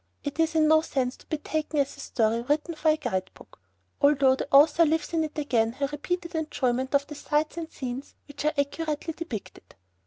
It is in no sense to be taken as a story written for a guide book, although the author lives in it again her repeated enjoyment of the sights and scenes which are accurately depicted.